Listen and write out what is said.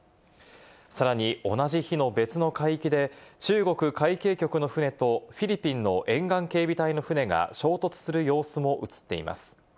さらに同じ日の別の海域で、中国海警局の船とフィリピンの沿岸警備隊の船が衝突する様子も映っています。